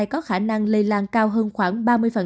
có khả năng lây lan cao hơn khoảng ba mươi